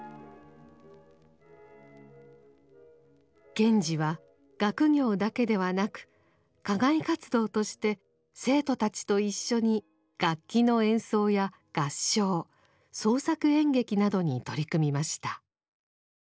賢治は学業だけではなく課外活動として生徒たちと一緒に楽器の演奏や合唱創作演劇などに取り組みました。